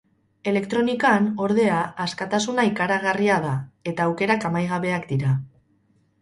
Elektronikan, ordea, askatasuna ikaragarria da, eta aukerak amaigabeak dira.